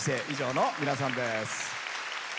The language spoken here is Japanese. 以上の皆さんです。